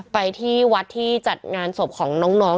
ไปที่วัดที่จัดงานศพของน้อง